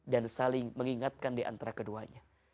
dan saling mengingatkan di antara keduanya